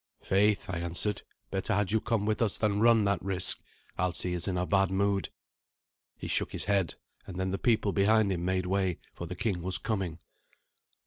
"Faith," I answered, "better had you come with us than run that risk. Alsi is in a bad mood." He shook his head; and then the people behind him made way, for the king was coming.